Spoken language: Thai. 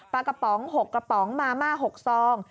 กระป๋อง๖กระป๋องมาม่า๖ซอง